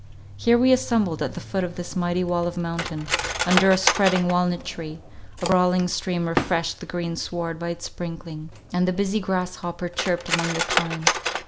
Here we assembled at the foot of this mighty wall of mountain, under a spreading walnut tree; a brawling stream refreshed the green sward by its sprinkling; and the busy grasshopper chirped among the thyme.